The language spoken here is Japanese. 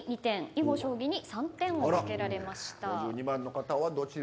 囲碁将棋に３点をつけられました。